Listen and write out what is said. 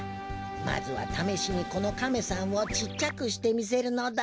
まずはためしにこのカメさんをちっちゃくしてみせるのだ。